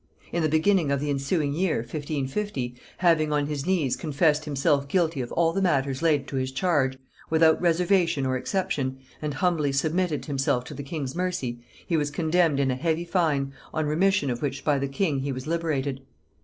In the beginning of the ensuing year, 1550, having on his knees confessed himself guilty of all the matters laid to his charge, without reservation or exception, and humbly submitted himself to the king's mercy, he was condemned in a heavy fine, on remission of which by the king he was liberated.